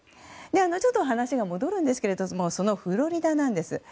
ちょっと話が戻るんですけれどもそのフロリダなんです。